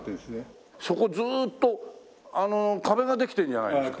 そこずーっと壁ができてるじゃないですか。